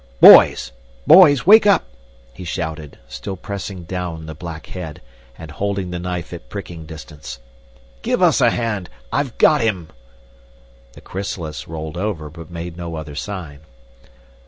Boys! Boys! Wake up!" he shouted, still pressing down the black head and holding the knife at pricking distance. "Give us a hand! I've got him!" The chrysalis rolled over, but made no other sign.